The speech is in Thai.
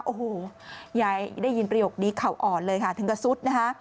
โอ้โหยายได้ยินประโยคนี้เข่าอ่อนเลยค่ะถึงกระซุดนะคะ